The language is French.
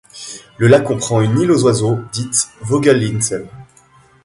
Le lac comprend une île aux Oiseaux, dite Vogelinsel.